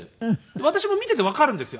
私も見ていてわかるんですよ。